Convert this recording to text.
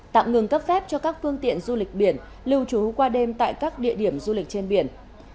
tạm ngừng cấp phép cho các phương tiện du lịch biển lưu trú qua đêm tại các địa điểm du lịch trên biển